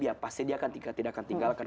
ya pasti dia tidak akan tinggalkan